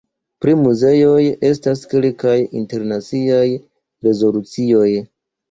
Pri muzeoj estas kelkaj internaciaj rezolucioj.